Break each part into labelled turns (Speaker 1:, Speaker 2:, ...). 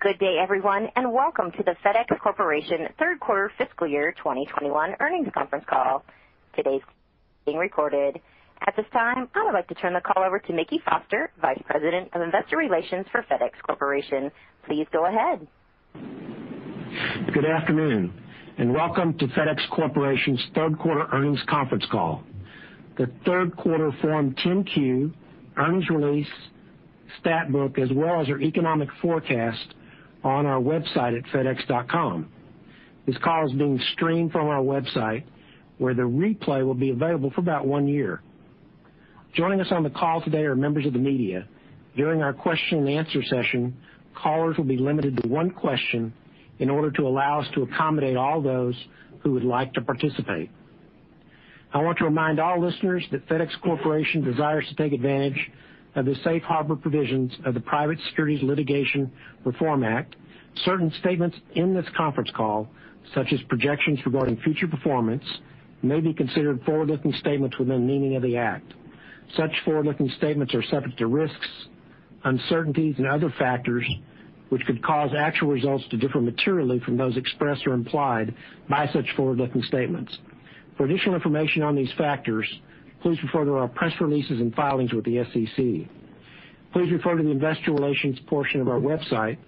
Speaker 1: Good day, everyone, and welcome to the FedEx Corporation third quarter fiscal year 2021 earnings conference call. Today's being recorded. At this time, I would like to turn the call over to Mickey Foster, Vice President of Investor Relations for FedEx Corporation. Please go ahead.
Speaker 2: Good afternoon, and welcome to FedEx Corporation's third quarter earnings conference call. The third quarter Form 10-Q, earnings release, stat book, as well as our economic forecast on our website at fedex.com. This call is being streamed from our website, where the replay will be available for about one year. Joining us on the call today are members of the media. During our question-and-answer session, callers will be limited to one question in order to allow us to accommodate all those who would like to participate. I want to remind all listeners that FedEx Corporation desires to take advantage of the safe harbor provisions of the Private Securities Litigation Reform Act. Certain statements in this conference call, such as projections regarding future performance, may be considered forward-looking statements within the meaning of the act. Such forward-looking statements are subject to risks, uncertainties, and other factors which could cause actual results to differ materially from those expressed or implied by such forward-looking statements. For additional information on these factors, please refer to our press releases and filings with the SEC. Please refer to the investor relations portion of our website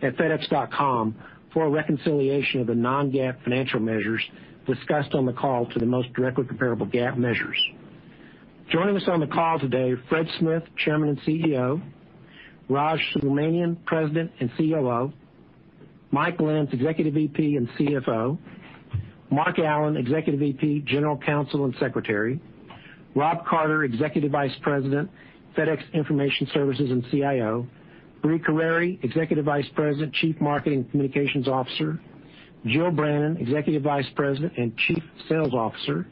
Speaker 2: at fedex.com for a reconciliation of the non-GAAP financial measures discussed on the call to the most directly comparable GAAP measures. Joining us on the call today, Fred Smith, Chairman and CEO. Raj Subramaniam, President and COO. Mike Lenz, Executive VP and CFO. Mark Allen, Executive VP, General Counsel, and Secretary. Rob Carter, Executive Vice President, FedEx Information Services and CIO. Brie Carere, Executive Vice President, Chief Marketing Communications Officer. Jill Brannon, Executive Vice President and Chief Sales Officer.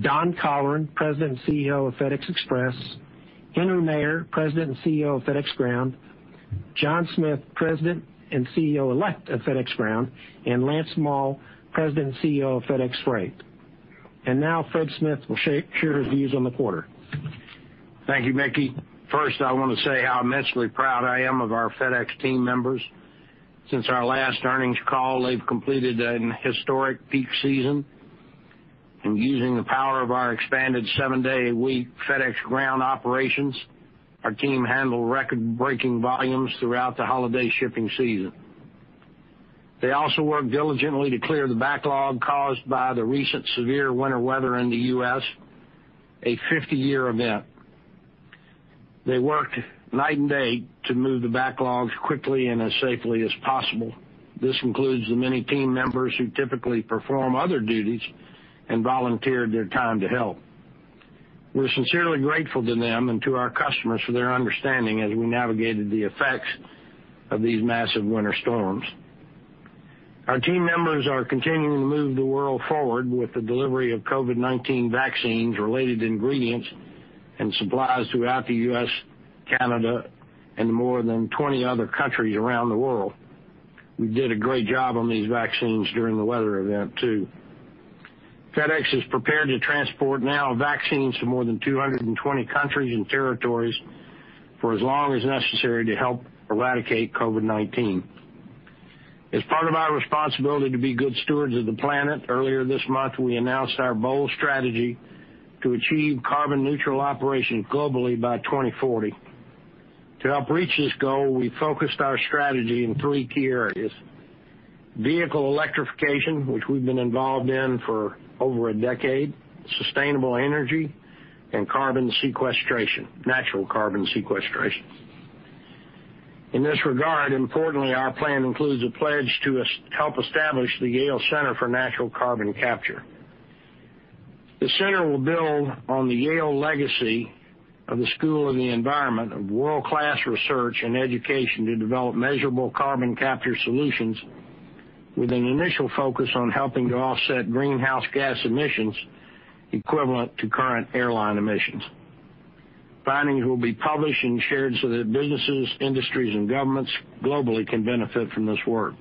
Speaker 2: Don Colleran, President and CEO of FedEx Express. Henry Maier, President and CEO of FedEx Ground. John Smith, President and CEO-Elect of FedEx Ground, and Lance Moll, President and CEO of FedEx Freight. Now Fred Smith will share his views on the quarter.
Speaker 3: Thank you, Mickey. First, I want to say how immensely proud I am of our FedEx team members. Since our last earnings call, they've completed an historic peak season. Using the power of our expanded seven-day-a-week FedEx Ground operations, our team handled record-breaking volumes throughout the holiday shipping season. They also worked diligently to clear the backlog caused by the recent severe winter weather in the U.S., a 50-year event. They worked night and day to move the backlogs quickly and as safely as possible. This includes the many team members who typically perform other duties and volunteered their time to help. We're sincerely grateful to them and to our customers for their understanding as we navigated the effects of these massive winter storms. Our team members are continuing to move the world forward with the delivery of COVID-19 vaccines, related ingredients, and supplies throughout the U.S., Canada, and more than 20 other countries around the world. We did a great job on these vaccines during the weather event, too. FedEx is prepared to transport now vaccines to more than 220 countries and territories for as long as necessary to help eradicate COVID-19. As part of our responsibility to be good stewards of the planet, earlier this month, we announced our bold strategy to achieve carbon neutral operations globally by 2040. To help reach this goal, we focused our strategy in three key areas. Vehicle electrification, which we've been involved in for over a decade, sustainable energy, and carbon sequestration, natural carbon sequestration. In this regard, importantly, our plan includes a pledge to help establish the Yale Center for Natural Carbon Capture. The center will build on the Yale legacy of the School of the Environment of world-class research and education to develop measurable carbon capture solutions with an initial focus on helping to offset greenhouse gas emissions equivalent to current airline emissions. Findings will be published and shared so that businesses, industries, and governments globally can benefit from this work.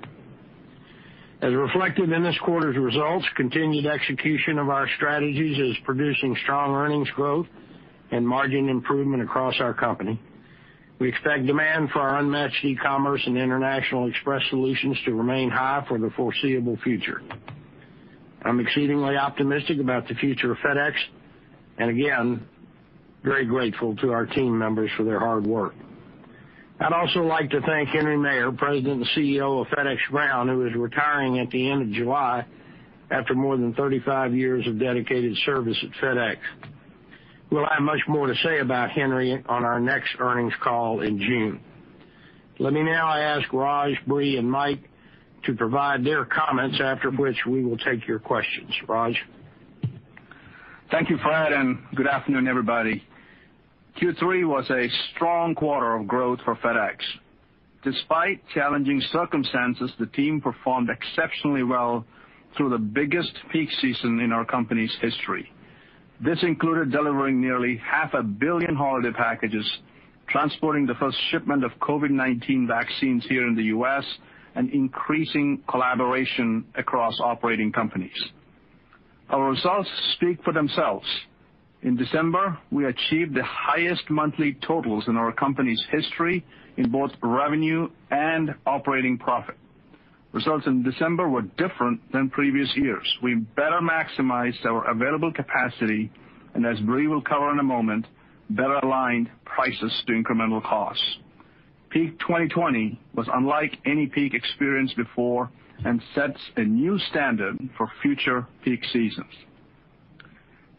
Speaker 3: As reflected in this quarter's results, continued execution of our strategies is producing strong earnings growth and margin improvement across our company. We expect demand for our unmatched e-commerce and international express solutions to remain high for the foreseeable future. I'm exceedingly optimistic about the future of FedEx, and again, very grateful to our team members for their hard work. I'd also like to thank Henry Maier, President and CEO of FedEx Ground, who is retiring at the end of July after more than 35 years of dedicated service at FedEx. We'll have much more to say about Henry on our next earnings call in June. Let me now ask Raj, Brie, and Mike to provide their comments, after which we will take your questions. Raj?
Speaker 4: Thank you, Fred. Good afternoon, everybody. Q3 was a strong quarter of growth for FedEx. Despite challenging circumstances, the team performed exceptionally well through the biggest peak season in our company's history. This included delivering nearly half a billion holiday packages, transporting the first shipment of COVID-19 vaccines here in the U.S., and increasing collaboration across operating companies. Our results speak for themselves. In December, we achieved the highest monthly totals in our company's history in both revenue and operating profit. Results in December were different than previous years. We better maximized our available capacity, and as Brie will cover in a moment, better aligned prices to incremental costs. Peak 2020 was unlike any peak experienced before and sets a new standard for future peak seasons.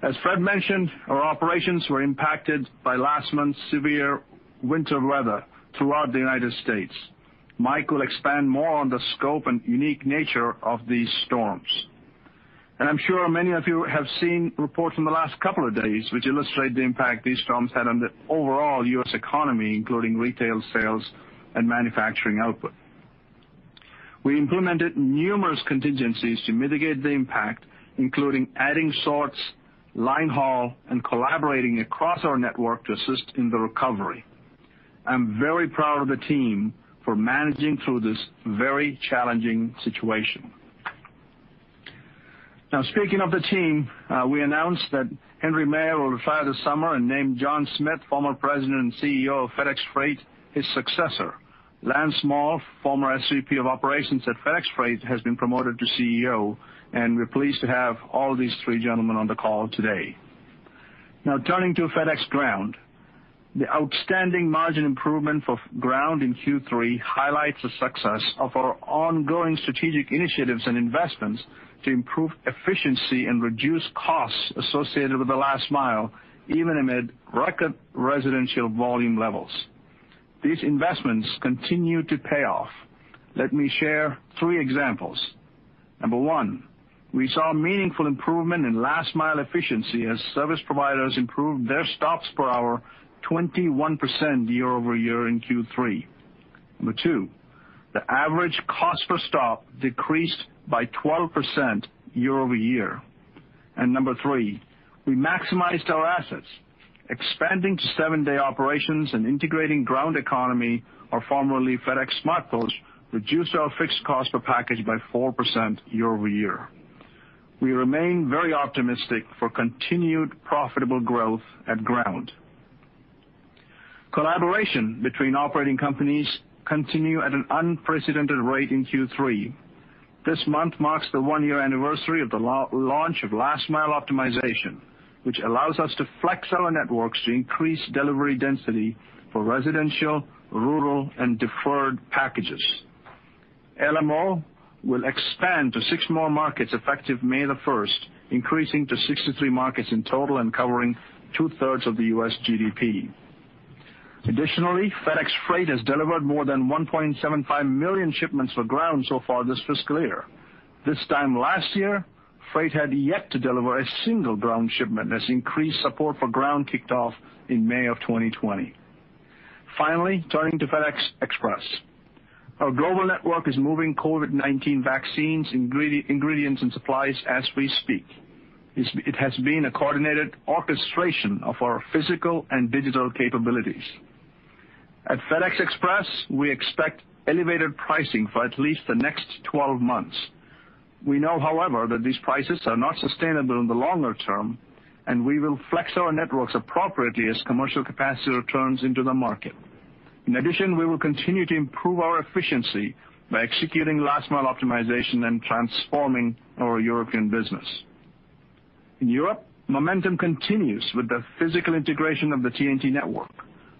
Speaker 4: As Fred mentioned, our operations were impacted by last month's severe winter weather throughout the United States. Mike will expand more on the scope and unique nature of these storms. I'm sure many of you have seen reports from the last couple of days, which illustrate the impact these storms had on the overall U.S. economy, including retail sales and manufacturing output. We implemented numerous contingencies to mitigate the impact, including adding sorts, line haul, and collaborating across our network to assist in the recovery. I'm very proud of the team for managing through this very challenging situation. Speaking of the team, we announced that Henry Maier will retire this summer and named John Smith, former President and CEO of FedEx Freight, his successor. Lance Moll, former SVP of Operations at FedEx Freight, has been promoted to CEO, and we're pleased to have all these three gentlemen on the call today. Turning to FedEx Ground. The outstanding margin improvement for Ground in Q3 highlights the success of our ongoing strategic initiatives and investments to improve efficiency and reduce costs associated with the last mile, even amid record residential volume levels. These investments continue to pay off. Let me share three examples. Number one, we saw meaningful improvement in last mile efficiency as service providers improved their stops per hour 21% year-over-year in Q3. Number two, the average cost per stop decreased by 12% year-over-year. Number three, we maximized our assets. Expanding to seven-day operations and integrating Ground Economy, or formerly FedEx SmartPost, reduced our fixed cost per package by 4% year-over-year. We remain very optimistic for continued profitable growth at Ground. Collaboration between operating companies continue at an unprecedented rate in Q3. This month marks the one-year anniversary of the launch of Last Mile Optimization, which allows us to flex our networks to increase delivery density for residential, rural, and deferred packages. LMO will expand to six more markets effective May the 1st, increasing to 63 markets in total and covering two-thirds of the U.S. GDP. Additionally, FedEx Freight has delivered more than 1.75 million shipments for Ground so far this fiscal year. This time last year, Freight had yet to deliver a single Ground shipment as increased support for Ground kicked off in May of 2020. Finally, turning to FedEx Express. Our global network is moving COVID-19 vaccines, ingredients, and supplies as we speak. It has been a coordinated orchestration of our physical and digital capabilities. At FedEx Express, we expect elevated pricing for at least the next 12 months. We know, however, that these prices are not sustainable in the longer term, and we will flex our networks appropriately as commercial capacity returns into the market. In addition, we will continue to improve our efficiency by executing Last Mile Optimization and transforming our European business. In Europe, momentum continues with the physical integration of the TNT network.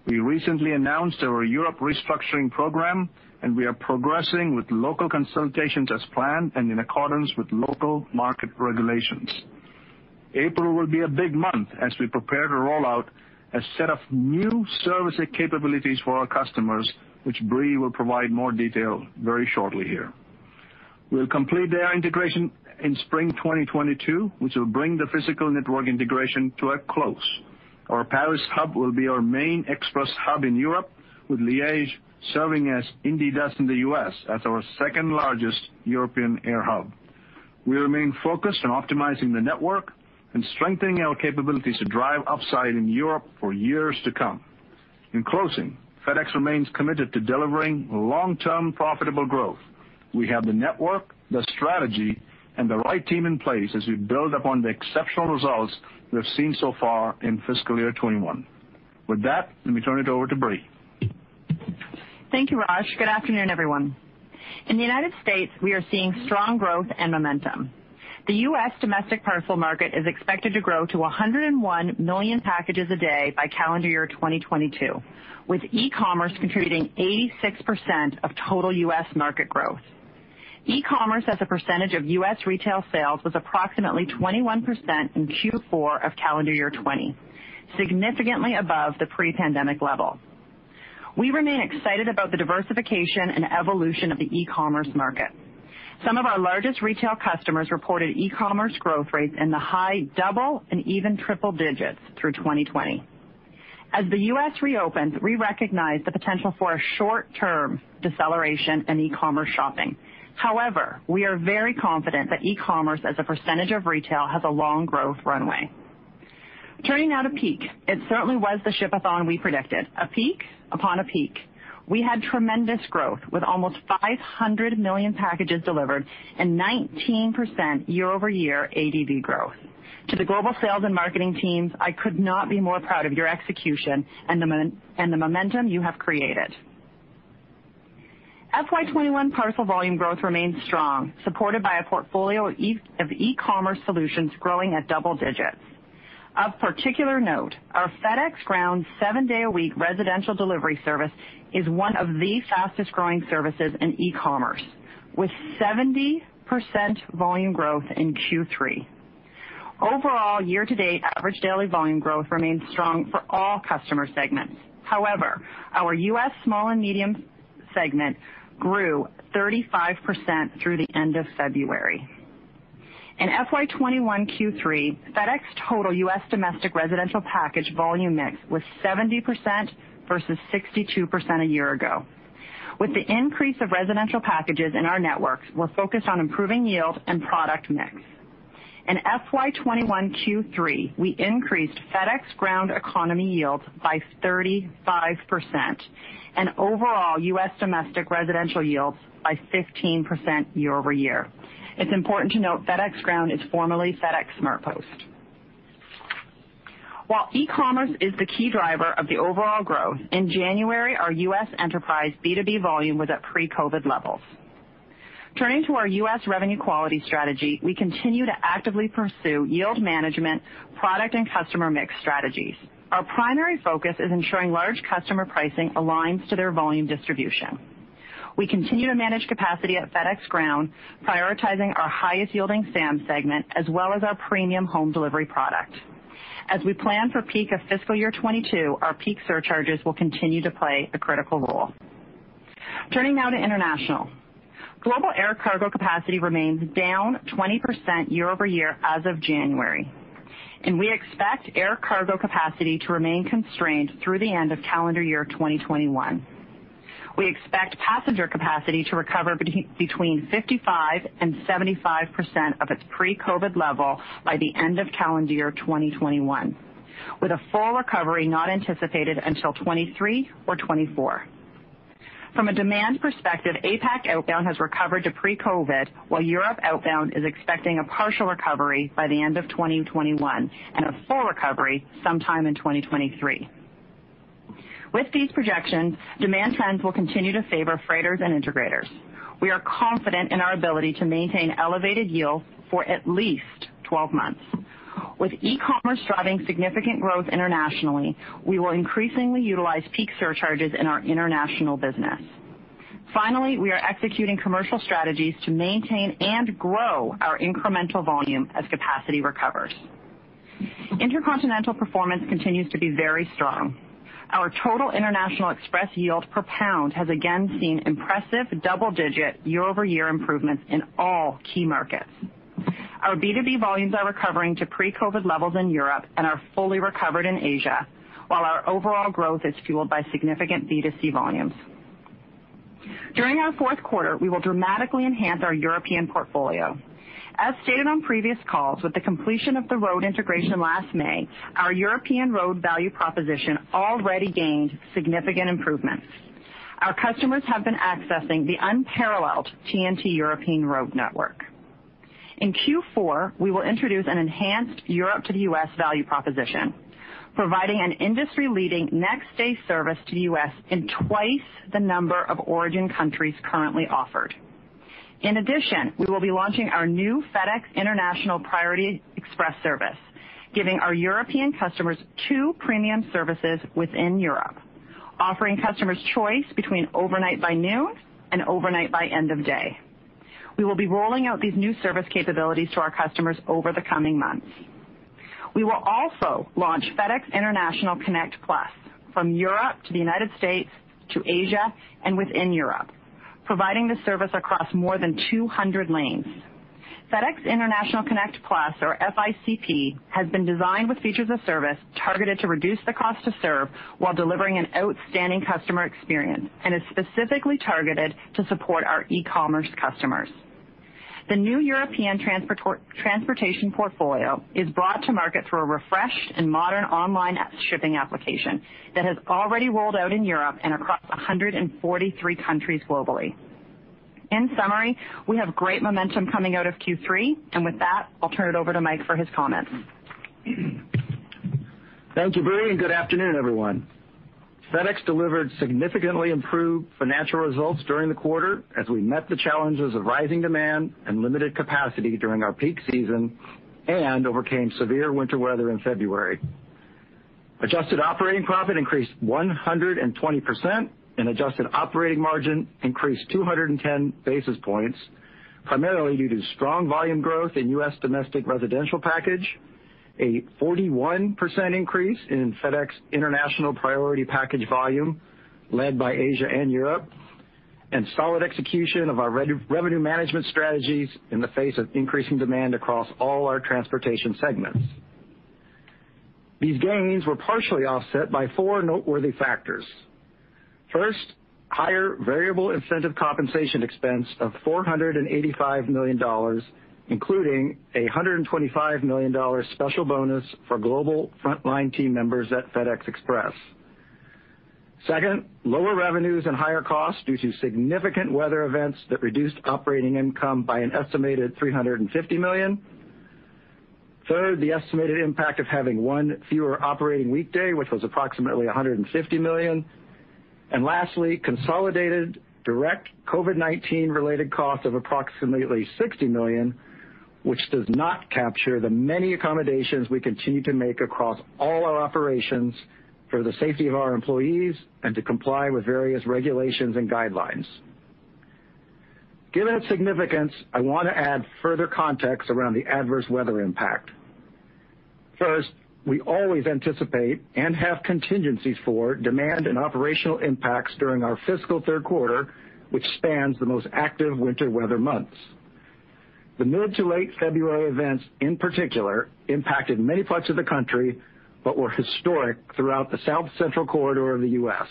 Speaker 4: We recently announced our Europe Restructuring Program, and we are progressing with local consultations as planned and in accordance with local market regulations. April will be a big month as we prepare to roll out a set of new services and capabilities for our customers, which Brie will provide more detail very shortly here. We'll complete the integration in spring 2022, which will bring the physical network integration to a close. Our Paris hub will be our main Express hub in Europe, with Liege serving as Indy does in the U.S. as our second-largest European air hub. We remain focused on optimizing the network and strengthening our capabilities to drive upside in Europe for years to come. In closing, FedEx remains committed to delivering long-term profitable growth. We have the network, the strategy, and the right team in place as we build upon the exceptional results we have seen so far in fiscal year 2021. With that, let me turn it over to Brie.
Speaker 5: Thank you, Raj. Good afternoon, everyone. In the U.S., we are seeing strong growth and momentum. The U.S. domestic parcel market is expected to grow to 101 million packages a day by calendar year 2022, with e-commerce contributing 86% of total U.S. market growth. E-commerce as a percentage of U.S. retail sales was approximately 21% in Q4 of calendar year 2020, significantly above the pre-pandemic level. We remain excited about the diversification and evolution of the e-commerce market. Some of our largest retail customers reported e-commerce growth rates in the high double and even triple digits through 2020. As the U.S. reopens, we recognize the potential for a short-term deceleration in e-commerce shopping. We are very confident that e-commerce as a percentage of retail has a long growth runway. Turning now to peak. It certainly was the Shipathon we predicted, a peak upon a peak. We had tremendous growth with almost 500 million packages delivered and 19% year-over-year ADB growth. To the global sales and marketing teams, I could not be more proud of your execution and the momentum you have created. FY 2021 parcel volume growth remains strong, supported by a portfolio of e-commerce solutions growing at double digits. Of particular note, our FedEx Ground seven-day-a-week residential delivery service is one of the fastest-growing services in e-commerce, with 70% volume growth in Q3. Overall, year-to-date average daily volume growth remains strong for all customer segments. However, our U.S. small and medium segment grew 35% through the end of February. In FY 2021 Q3, FedEx total U.S. domestic residential package volume mix was 70% versus 62% a year ago. With the increase of residential packages in our networks, we're focused on improving yield and product mix. In FY 2021 Q3, we increased FedEx Ground Economy yield by 35% and overall U.S. domestic residential yields by 15% year-over-year. It's important to note FedEx Ground is formerly FedEx SmartPost. While e-commerce is the key driver of the overall growth, in January, our U.S. enterprise B2B volume was at pre-COVID levels. Turning to our U.S. revenue quality strategy, we continue to actively pursue yield management, product, and customer mix strategies. Our primary focus is ensuring large customer pricing aligns to their volume distribution. We continue to manage capacity at FedEx Ground, prioritizing our highest-yielding SAM segment as well as our premium Home Delivery product. As we plan for peak of fiscal year 2022, our peak surcharges will continue to play a critical role. Turning now to international. Global air cargo capacity remains down 20% year-over-year as of January, and we expect air cargo capacity to remain constrained through the end of calendar year 2021. We expect passenger capacity to recover between 55% and 75% of its pre-COVID level by the end of calendar year 2021, with a full recovery not anticipated until 2023 or 2024. From a demand perspective, APAC outbound has recovered to pre-COVID, while Europe outbound is expecting a partial recovery by the end of 2021 and a full recovery sometime in 2023. With these projections, demand trends will continue to favor freighters and integrators. We are confident in our ability to maintain elevated yield for at least 12 months. With e-commerce driving significant growth internationally, we will increasingly utilize peak surcharges in our international business. Finally, we are executing commercial strategies to maintain and grow our incremental volume as capacity recovers. Intercontinental performance continues to be very strong. Our total international express yield per pound has again seen impressive double-digit year-over-year improvements in all key markets. Our B2B volumes are recovering to pre-COVID-19 levels in Europe and are fully recovered in Asia, while our overall growth is fueled by significant B2C volumes. During our fourth quarter, we will dramatically enhance our European portfolio. As stated on previous calls, with the completion of the road integration last May, our European road value proposition already gained significant improvements. Our customers have been accessing the unparalleled TNT European road network. In Q4, we will introduce an enhanced Europe to the U.S. value proposition, providing an industry-leading next day service to the U.S. in twice the number of origin countries currently offered. We will be launching our new FedEx International Priority Express service, giving our European customers two premium services within Europe, offering customers choice between overnight by noon and overnight by end of day. We will be rolling out these new service capabilities to our customers over the coming months. We will also launch FedEx International Connect Plus from Europe to the U.S. to Asia and within Europe, providing this service across more than 200 lanes. FedEx International Connect Plus, or FICP, has been designed with features of service targeted to reduce the cost to serve while delivering an outstanding customer experience and is specifically targeted to support our e-commerce customers. The new European transportation portfolio is brought to market through a refreshed and modern online shipping application that has already rolled out in Europe and across 143 countries globally. In summary, we have great momentum coming out of Q3. With that, I'll turn it over to Mike for his comments.
Speaker 6: Thank you, Brie, good afternoon, everyone. FedEx delivered significantly improved financial results during the quarter as we met the challenges of rising demand and limited capacity during our peak season and overcame severe winter weather in February. Adjusted operating profit increased 120%, and adjusted operating margin increased 210 basis points, primarily due to strong volume growth in U.S. domestic residential package, a 41% increase in FedEx International Priority package volume led by Asia and Europe, and solid execution of our revenue management strategies in the face of increasing demand across all our transportation segments. These gains were partially offset by four noteworthy factors. First, higher variable incentive compensation expense of $485 million, including a $125 million special bonus for global frontline team members at FedEx Express. Second, lower revenues and higher costs due to significant weather events that reduced operating income by an estimated $350 million. Third, the estimated impact of having one fewer operating weekday, which was approximately $150 million. Lastly, consolidated direct COVID-19 related costs of approximately $60 million, which does not capture the many accommodations we continue to make across all our operations for the safety of our employees and to comply with various regulations and guidelines. Given its significance, I want to add further context around the adverse weather impact. First, we always anticipate and have contingencies for demand and operational impacts during our fiscal third quarter, which spans the most active winter weather months. The mid to late February events, in particular, impacted many parts of the country, but were historic throughout the South Central corridor of the U.S.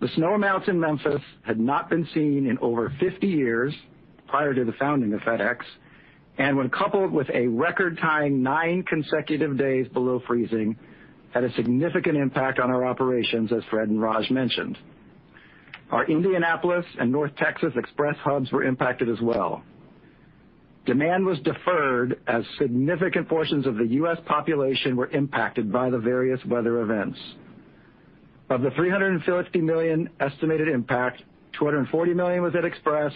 Speaker 6: The snow amounts in Memphis had not been seen in over 50 years prior to the founding of FedEx, and when coupled with a record-tying nine consecutive days below freezing, had a significant impact on our operations, as Fred and Raj mentioned. Our Indianapolis and North Texas Express hubs were impacted as well. Demand was deferred as significant portions of the U.S. population were impacted by the various weather events. Of the $350 million estimated impact, $240 million was at Express,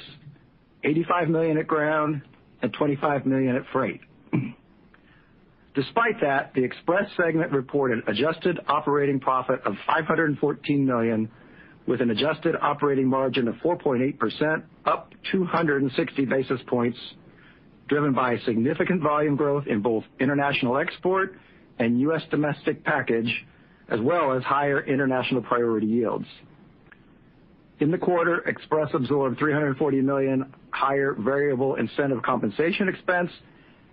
Speaker 6: $85 million at Ground, and $25 million at Freight. Despite that, the Express segment reported adjusted operating profit of $514 million, with an adjusted operating margin of 4.8%, up 260 basis points, driven by significant volume growth in both international export and U.S. domestic package, as well as higher International Priority yields. In the quarter, FedEx Express absorbed $340 million higher variable incentive compensation expense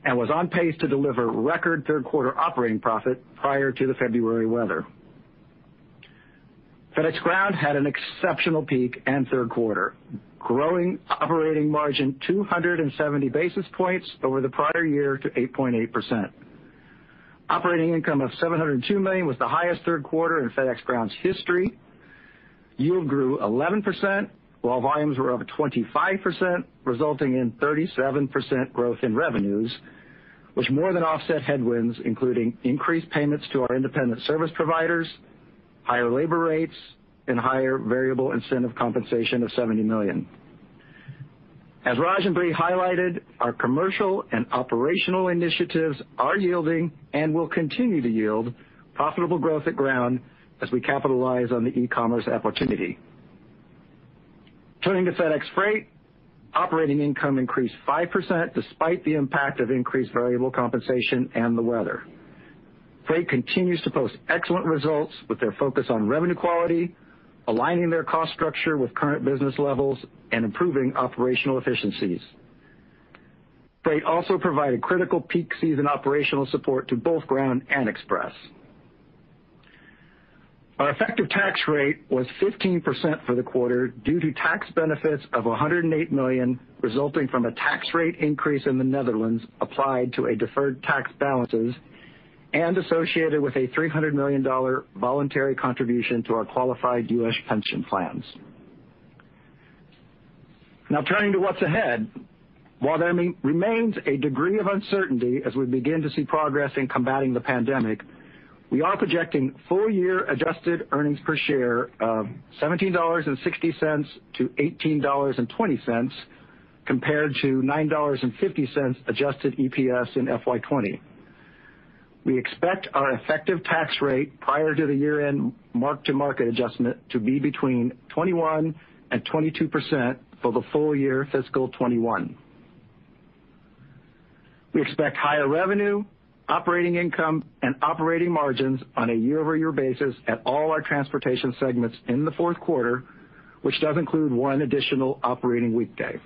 Speaker 6: and was on pace to deliver record third quarter operating profit prior to the February weather. FedEx Ground had an exceptional peak and third quarter, growing operating margin 270 basis points over the prior year to 8.8%. Operating income of $702 million was the highest third quarter in FedEx Ground's history. Yield grew 11%, while volumes were up 25%, resulting in 37% growth in revenues, which more than offset headwinds, including increased payments to our independent service providers, higher labor rates, and higher variable incentive compensation of $70 million. As Raj and Brie highlighted, our commercial and operational initiatives are yielding and will continue to yield profitable growth at Ground as we capitalize on the e-commerce opportunity. Turning to FedEx Freight, operating income increased 5% despite the impact of increased variable compensation and the weather. Freight continues to post excellent results with their focus on revenue quality, aligning their cost structure with current business levels, and improving operational efficiencies. Freight also provided critical peak season operational support to both Ground and Express. Our effective tax rate was 15% for the quarter due to tax benefits of $108 million resulting from a tax rate increase in the Netherlands applied to a deferred tax balances and associated with a $300 million voluntary contribution to our qualified U.S. pension plans. Turning to what's ahead. While there remains a degree of uncertainty as we begin to see progress in combating the pandemic, we are projecting full-year adjusted earnings per share of $17.60-$18.20, compared to $9.50 adjusted EPS in FY 2020. We expect our effective tax rate prior to the year-end mark-to-market adjustment to be between 21% and 22% for the full year fiscal 2021. We expect higher revenue, operating income, and operating margins on a year-over-year basis at all our transportation segments in the fourth quarter, which does include one additional operating weekday.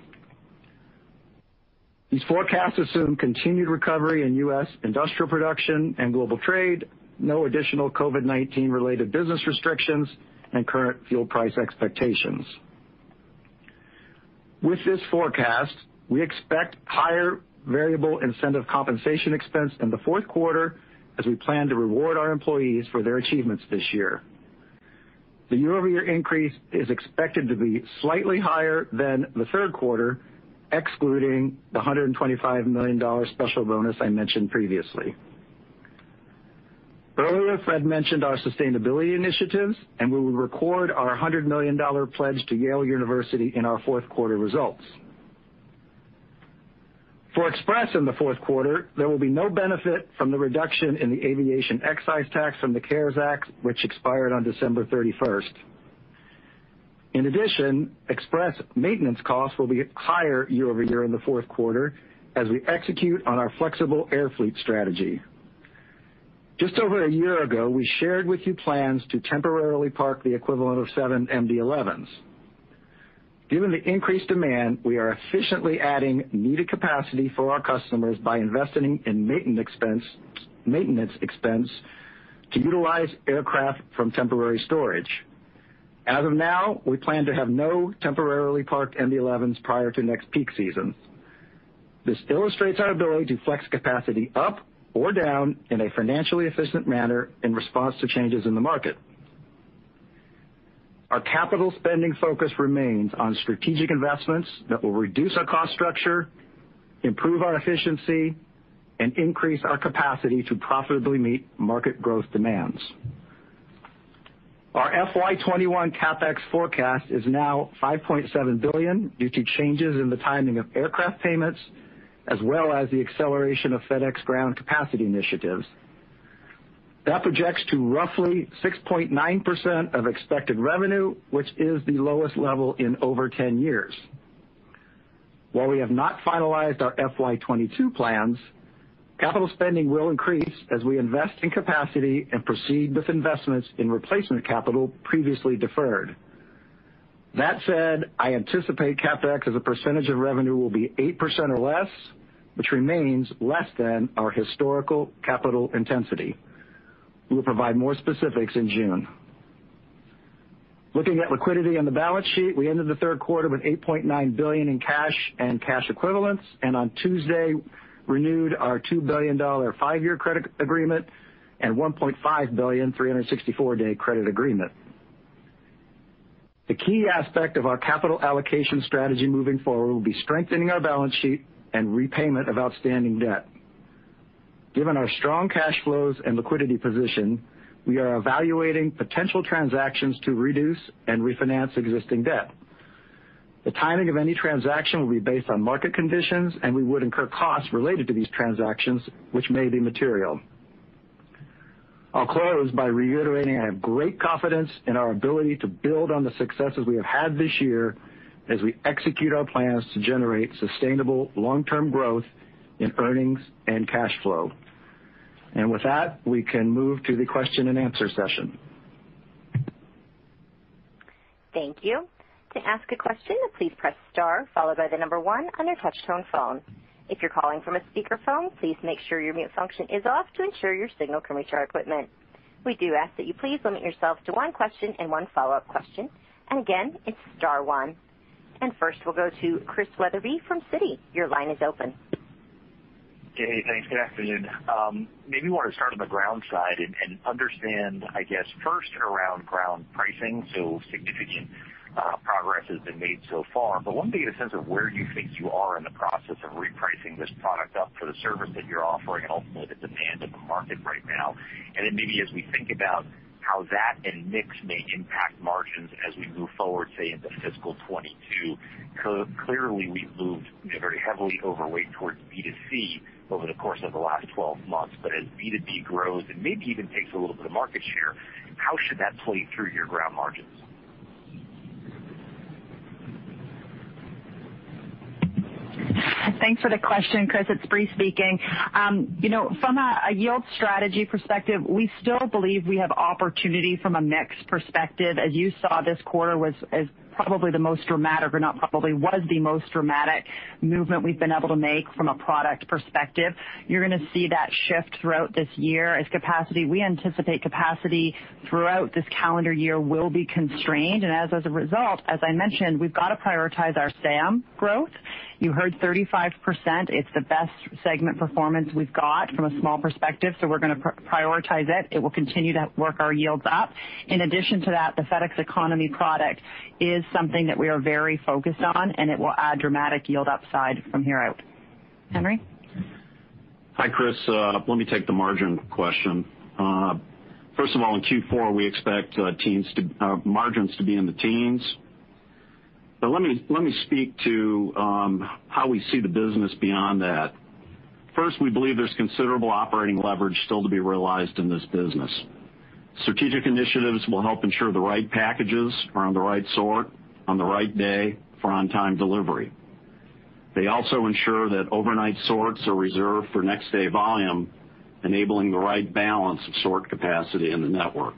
Speaker 6: These forecasts assume continued recovery in U.S. industrial production and global trade, no additional COVID-19-related business restrictions, and current fuel price expectations. With this forecast, we expect higher variable incentive compensation expense in the fourth quarter as we plan to reward our employees for their achievements this year. The year-over-year increase is expected to be slightly higher than the third quarter, excluding the $125 million special bonus I mentioned previously. Earlier, Fred mentioned our sustainability initiatives, and we will record our $100 million pledge to Yale University in our fourth quarter results. For Express in the fourth quarter, there will be no benefit from the reduction in the aviation excise tax from the CARES Act, which expired on December 31st. In addition, Express maintenance costs will be higher year-over-year in the fourth quarter as we execute on our flexible air fleet strategy. Just over a year ago, we shared with you plans to temporarily park the equivalent of seven MD-11s. Given the increased demand, we are efficiently adding needed capacity for our customers by investing in maintenance expense to utilize aircraft from temporary storage. As of now, we plan to have no temporarily parked MD-11s prior to next peak season. This illustrates our ability to flex capacity up or down in a financially efficient manner in response to changes in the market. Our capital spending focus remains on strategic investments that will reduce our cost structure, improve our efficiency, and increase our capacity to profitably meet market growth demands. Our FY 2021 CapEx forecast is now $5.7 billion due to changes in the timing of aircraft payments, as well as the acceleration of FedEx Ground capacity initiatives. That projects to roughly 6.9% of expected revenue, which is the lowest level in over 10 years. While we have not finalized our FY 2022 plans, capital spending will increase as we invest in capacity and proceed with investments in replacement capital previously deferred. That said, I anticipate CapEx as a percentage of revenue will be 8% or less, which remains less than our historical capital intensity. We'll provide more specifics in June. Looking at liquidity on the balance sheet, we ended the third quarter with $8.9 billion in cash and cash equivalents, and on Tuesday, renewed our $2 billion five-year credit agreement and $1.5 billion 364-day credit agreement. The key aspect of our capital allocation strategy moving forward will be strengthening our balance sheet and repayment of outstanding debt. Given our strong cash flows and liquidity position, we are evaluating potential transactions to reduce and refinance existing debt. The timing of any transaction will be based on market conditions, and we would incur costs related to these transactions, which may be material. I'll close by reiterating I have great confidence in our ability to build on the successes we have had this year as we execute our plans to generate sustainable long-term growth in earnings and cash flow. With that, we can move to the question-and-answer session.
Speaker 1: Thank you. To ask a question, please press star followed by the number one on your touch-tone phone. If you're calling from a speakerphone, please make sure your mute function is off to ensure your signal can reach our equipment. We do ask that you please limit yourself to one question and one follow-up question. Again, it's star one. First we'll go to Chris Wetherbee from Citi. Your line is open.
Speaker 7: Hey, thanks. Good afternoon. Maybe want to start on the Ground side and understand, I guess, first around Ground pricing. Significant progress has been made so far, but I want to get a sense of where you think you are in the process of repricing this product up for the service that you're offering and ultimately the demand in the market right now. Maybe as we think about how that and mix may impact margins as we move forward, say, into fiscal 2022. Clearly, we've moved very heavily overweight towards B2C over the course of the last 12 months. As B2B grows and maybe even takes a little bit of market share, how should that play through your Ground margins?
Speaker 5: Thanks for the question, Chris. It's Brie speaking. From a yield strategy perspective, we still believe we have opportunity from a mix perspective. As you saw, this quarter was probably the most dramatic, or not probably, was the most dramatic movement we've been able to make from a product perspective. You're going to see that shift throughout this year as capacity. We anticipate capacity throughout this calendar year will be constrained. As a result, as I mentioned, we've got to prioritize our SAM growth. You heard 35%. It's the best segment performance we've got from a small perspective, so we're going to prioritize it. It will continue to work our yields up. In addition to that, the FedEx Economy product is something that we are very focused on, and it will add dramatic yield upside from here out. Henry?
Speaker 8: Hi, Chris. Let me take the margin question. First of all, in Q4, we expect margins to be in the teens. Let me speak to how we see the business beyond that. First, we believe there's considerable operating leverage still to be realized in this business. Strategic initiatives will help ensure the right packages are on the right sort on the right day for on-time delivery. They also ensure that overnight sorts are reserved for next-day volume, enabling the right balance of sort capacity in the network.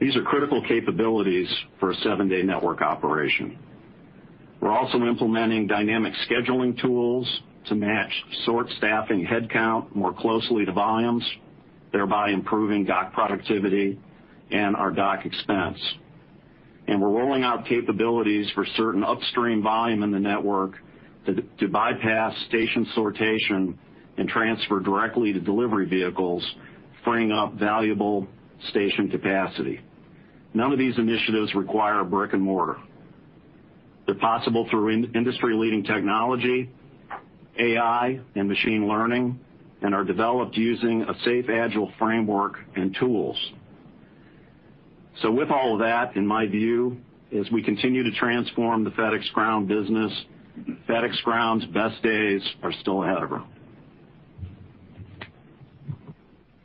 Speaker 8: These are critical capabilities for a seven-day network operation. We're also implementing dynamic scheduling tools to match sort staffing headcount more closely to volumes, thereby improving dock productivity and our dock expense. We're rolling out capabilities for certain upstream volume in the network to bypass station sortation and transfer directly to delivery vehicles, freeing up valuable station capacity. None of these initiatives require brick and mortar. They're possible through industry-leading technology, AI, and machine learning, and are developed using a SAFe Agile framework and tools. With all of that, in my view, as we continue to transform the FedEx Ground business, FedEx Ground's best days are still ahead of her.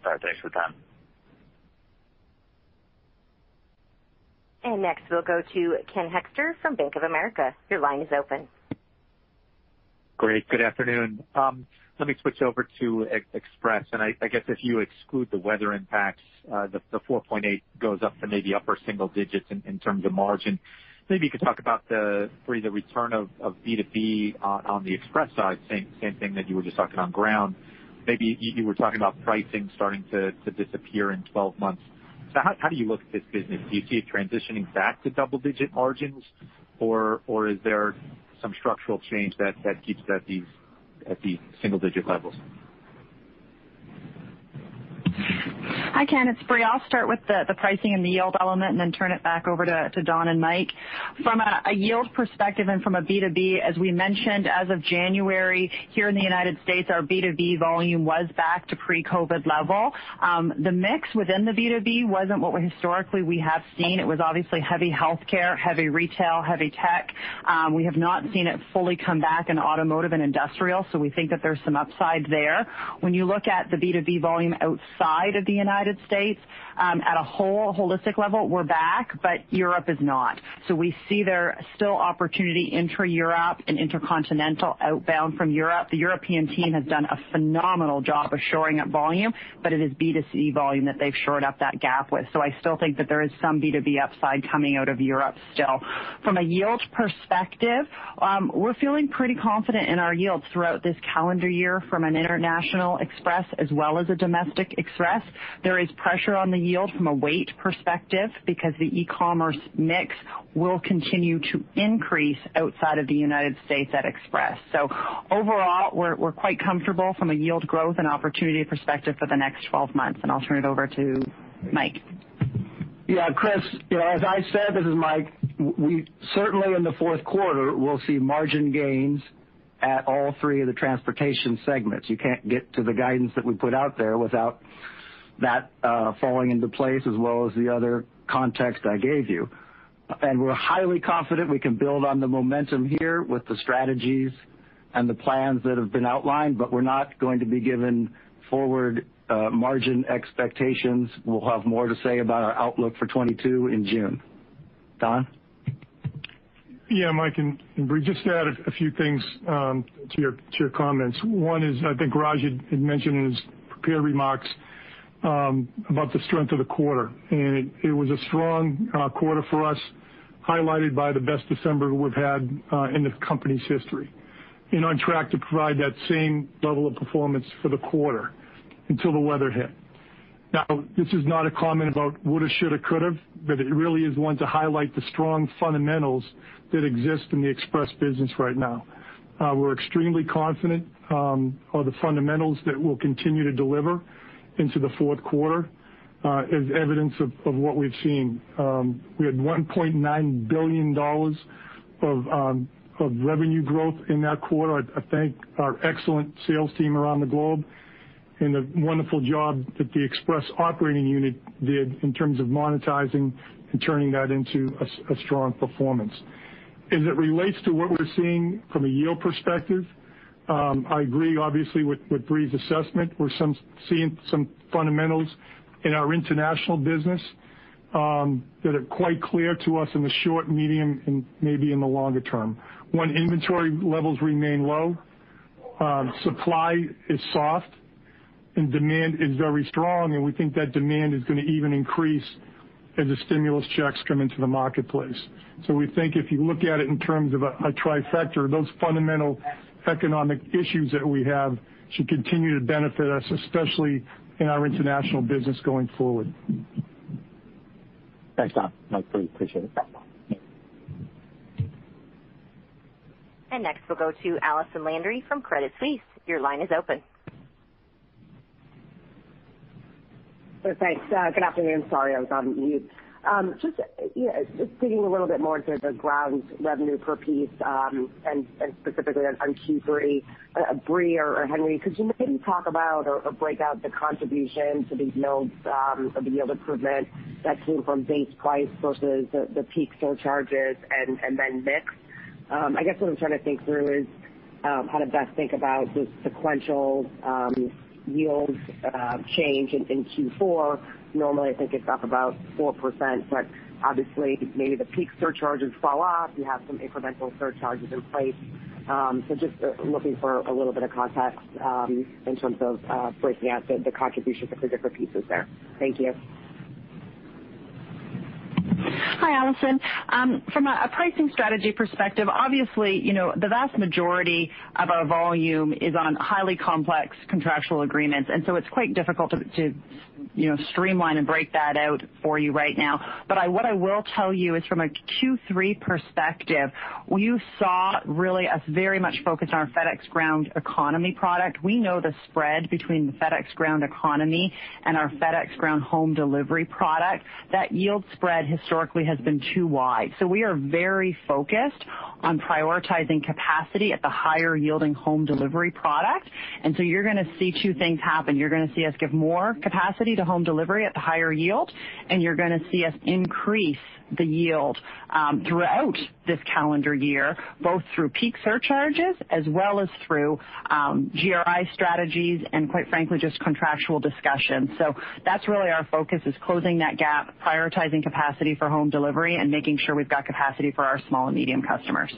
Speaker 7: All right. Thanks for the time.
Speaker 1: Next, we'll go to Ken Hoexter from Bank of America. Your line is open.
Speaker 9: Great. Good afternoon. Let me switch over to Express. I guess if you exclude the weather impacts, the 4.8 goes up to maybe upper single digits in terms of margin. Maybe you could talk about the, Brie, the return of B2B on the Express side, same thing that you were just talking on Ground. Maybe you were talking about pricing starting to disappear in 12 months. How do you look at this business? Do you see it transitioning back to double-digit margins, or is there some structural change that keeps it at these single-digit levels?
Speaker 5: Hi, Ken, it's Brie. I'll start with the pricing and the yield element and then turn it back over to Don and Mike. From a yield perspective and from a B2B, as we mentioned, as of January here in the U.S., our B2B volume was back to pre-COVID level. The mix within the B2B wasn't what we historically have seen. It was obviously heavy healthcare, heavy retail, heavy tech. We have not seen it fully come back in automotive and industrial, so we think that there's some upside there. When you look at the B2B volume outside of the U.S., at a holistic level, we're back, but Europe is not. We see there still opportunity intra-Europe and intercontinental outbound from Europe. The European team has done a phenomenal job of shoring up volume, but it is B2C volume that they've shored up that gap with. I still think that there is some B2B upside coming out of Europe still. From a yield perspective, we're feeling pretty confident in our yields throughout this calendar year from an international Express as well as a domestic Express. There is pressure on the yield from a weight perspective because the e-commerce mix will continue to increase outside of the United States at Express. Overall, we're quite comfortable from a yield growth and opportunity perspective for the next 12 months, and I'll turn it over to Mike.
Speaker 6: Yeah, Chris, as I said, this is Mike. We certainly in the fourth quarter will see margin gains at all three of the transportation segments. You can't get to the guidance that we put out there without that falling into place, as well as the other context I gave you. We're highly confident we can build on the momentum here with the strategies and the plans that have been outlined, but we're not going to be giving forward margin expectations. We'll have more to say about our outlook for 2022 in June. Don?
Speaker 10: Yeah, Mike, and Brie, just to add a few things to your comments. One is, I think Raj had mentioned in his prepared remarks about the strength of the quarter, and it was a strong quarter for us, highlighted by the best December we've had in the company's history, and on track to provide that same level of performance for the quarter until the weather hit. Now, this is not a comment about would've, should've, could've, but it really is one to highlight the strong fundamentals that exist in the Express business right now. We're extremely confident of the fundamentals that we'll continue to deliver into the fourth quarter, as evidence of what we've seen. We had $1.9 billion of revenue growth in that quarter. I thank our excellent sales team around the globe and the wonderful job that the Express operating unit did in terms of monetizing and turning that into a strong performance. As it relates to what we're seeing from a yield perspective, I agree, obviously, with Brie's assessment. We're seeing some fundamentals in our international business that are quite clear to us in the short, medium, and maybe in the longer term. When inventory levels remain low, supply is soft and demand is very strong, and we think that demand is going to even increase as the stimulus checks come into the marketplace. We think if you look at it in terms of a trifecta, those fundamental economic issues that we have should continue to benefit us, especially in our international business going forward.
Speaker 9: Thanks, Don, Mike, Brie, appreciate it.
Speaker 1: Next, we'll go to Allison Landry from Credit Suisse. Your line is open.
Speaker 11: Thanks. Good afternoon. Sorry, I was on mute. Just digging a little bit more into the Ground revenue per piece, and specifically on Q3. Brie or Henry, could you maybe talk about or break out the contribution to the yield improvement that came from base price versus the peak surcharges and then mix? I guess what I'm trying to think through is how to best think about the sequential yield change in Q4. Normally, I think it's up about 4%, obviously maybe the peak surcharges fall off. You have some incremental surcharges in place. Just looking for a little bit of context in terms of breaking out the contributions of the different pieces there. Thank you.
Speaker 5: Hi, Allison. From a pricing strategy perspective, obviously, the vast majority of our volume is on highly complex contractual agreements, and so it's quite difficult to streamline and break that out for you right now. What I will tell you is from a Q3 perspective, you saw really us very much focused on our FedEx Ground Economy product. We know the spread between the FedEx Ground Economy and our FedEx Home Delivery product. That yield spread historically has been too wide. We are very focused on prioritizing capacity at the higher-yielding Home Delivery product. You're going to see two things happen. You're going to see us give more capacity to Home Delivery at the higher yield, and you're going to see us increase the yield throughout this calendar year, both through peak surcharges as well as through GRI strategies and quite frankly, just contractual discussions. That's really our focus is closing that gap, prioritizing capacity for Home Delivery, and making sure we've got capacity for our small and medium customers.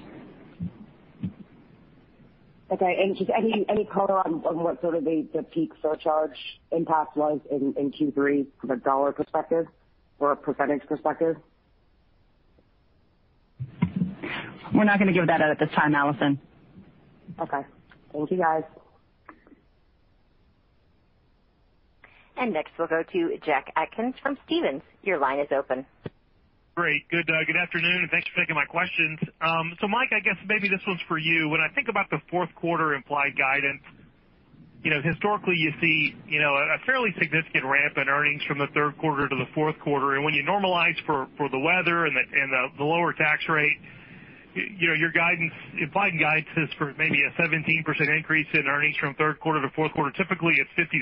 Speaker 11: Okay. Just any color on what sort of the peak surcharge impact was in Q3 from a dollar perspective or a percentage perspective?
Speaker 5: We're not going to give that out at this time, Allison.
Speaker 11: Okay. Thank you, guys.
Speaker 1: Next, we'll go to Jack Atkins from Stephens. Your line is open.
Speaker 12: Great. Good afternoon, thanks for taking my questions. Mike, I guess maybe this one's for you. When I think about the fourth quarter implied guidance, historically you see a fairly significant ramp in earnings from the third quarter to the fourth quarter. When you normalize for the weather and the lower tax rate, your implied guidance is for maybe a 17% increase in earnings from third quarter to fourth quarter. Typically, it's 50%-60%.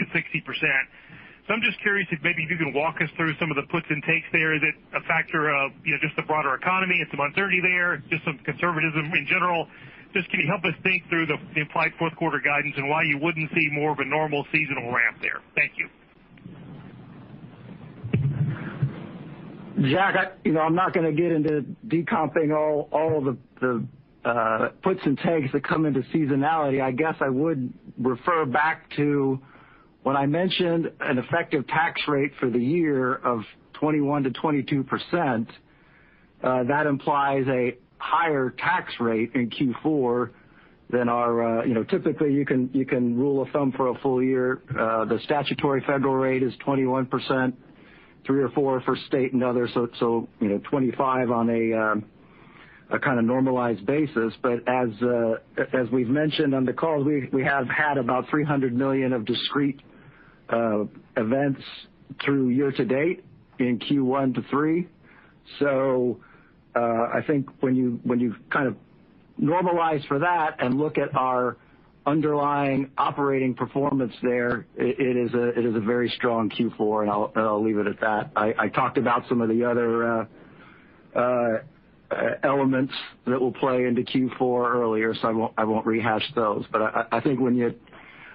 Speaker 12: I'm just curious if maybe you can walk us through some of the puts and takes there. Is it a factor of just the broader economy? It's some uncertainty there, just some conservatism in general. Can you help us think through the implied fourth quarter guidance and why you wouldn't see more of a normal seasonal ramp there? Thank you.
Speaker 6: Jack, I'm not going to get into decomping all the puts and takes that come into seasonality. I guess I would refer back to when I mentioned an effective tax rate for the year of 21%-22%. That implies a higher tax rate in Q4 than typically you can rule of thumb for a full year. The statutory federal rate is 21%, three or four for state and others. 25 on a kind of normalized basis. As we've mentioned on the call, we have had about $300 million of discrete events through year to date in Q1 to 3. I think when you kind of normalize for that and look at our underlying operating performance there, it is a very strong Q4, and I'll leave it at that. I talked about some of the other elements that will play into Q4 earlier, so I won't rehash those. I think when you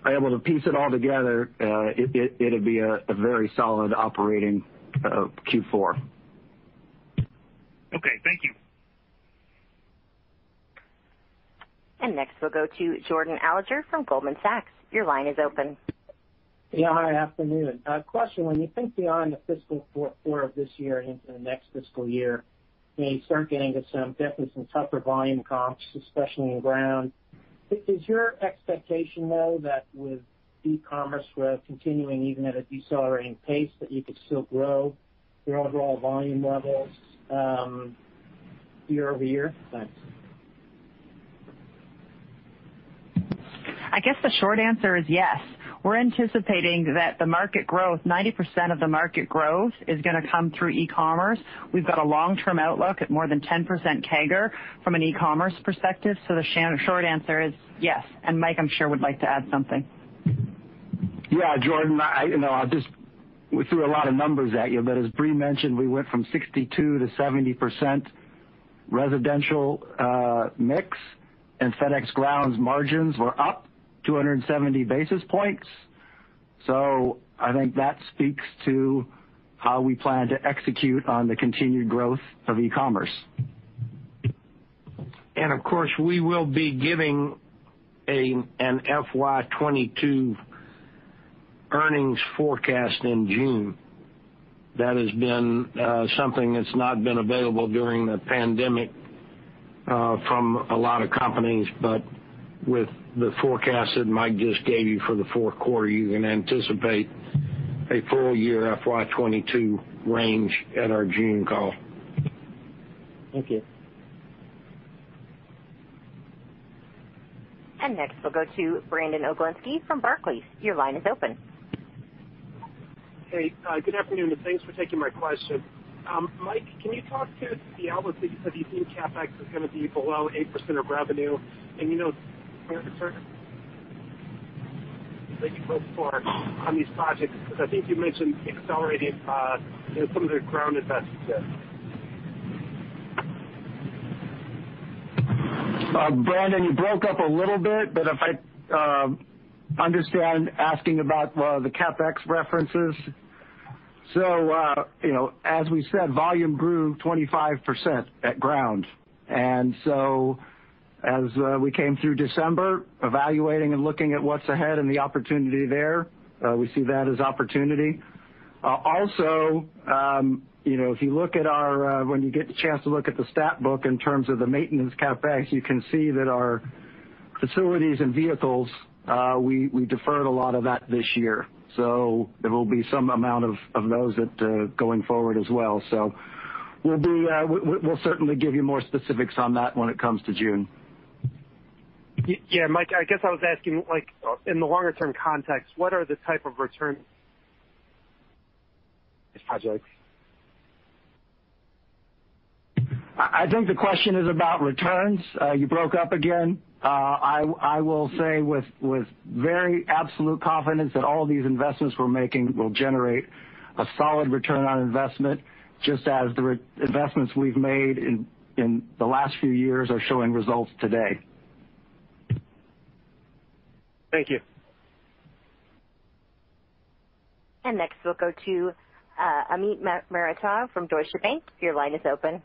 Speaker 6: are able to piece it all together, it'll be a very solid operating Q4.
Speaker 12: Okay. Thank you.
Speaker 1: Next, we'll go to Jordan Alliger from Goldman Sachs. Your line is open.
Speaker 13: Yeah. Good afternoon. A question, when you think beyond the fiscal fourth quarter of this year and into the next fiscal year, you start getting to some definitely some tougher volume comps, especially in Ground. Is your expectation, though, that with e-commerce growth continuing even at a decelerating pace, that you could still grow your overall volume levels year-over-year? Thanks.
Speaker 5: I guess the short answer is yes. We're anticipating that the market growth, 90% of the market growth is going to come through e-commerce. We've got a long-term outlook at more than 10% CAGR from an e-commerce perspective. The short answer is yes. Mike, I'm sure, would like to add something.
Speaker 6: Yeah. Jordan, we threw a lot of numbers at you. As Brie mentioned, we went from 62% to 70% residential mix, and FedEx Ground's margins were up 270 basis points. I think that speaks to how we plan to execute on the continued growth of e-commerce.
Speaker 3: Of course, we will be giving an FY 2022 earnings forecast in June. That has been something that's not been available during the pandemic from a lot of companies. With the forecast that Mike just gave you for the fourth quarter, you can anticipate a full year FY 2022 range at our June call.
Speaker 13: Thank you.
Speaker 1: Next, we'll go to Brandon Oglenski from Barclays. Your line is open.
Speaker 14: Hey. Good afternoon, and thanks for taking my question. Mike, can you talk to the outlook of you think CapEx is going to be below 8% of revenue? You note on these projects? I think you mentioned accelerating some of the Ground investments.
Speaker 6: Brandon, you broke up a little bit, but if I understand, asking about the CapEx references. As we said, volume grew 25% at Ground. As we came through December, evaluating and looking at what's ahead and the opportunity there, we see that as opportunity. Also, when you get the chance to look at the stat book in terms of the maintenance CapEx, you can see that our facilities and vehicles, we deferred a lot of that this year. There will be some amount of those going forward as well. We'll certainly give you more specifics on that when it comes to June.
Speaker 14: Yeah. Mike, I guess I was asking in the longer-term context, what are the type of returns projects?
Speaker 6: I think the question is about returns. You broke up again. I will say with very absolute confidence that all these investments we're making will generate a solid return on investment, just as the investments we've made in the last few years are showing results today.
Speaker 14: Thank you.
Speaker 1: Next, we'll go to Amit Mehrotra from Deutsche Bank. Your line is open.